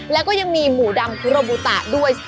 แล้วก็ยังมีหมูดำคุโรบุตะด้วย